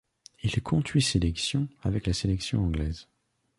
Il compte huit sélections avec la sélection anglaise.